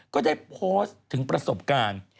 ก็ได้โพสต์ถึงประสบการณ์